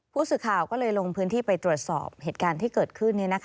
ผู้สื่อข่าวก็เลยลงพื้นที่ไปตรวจสอบเหตุการณ์ที่เกิดขึ้น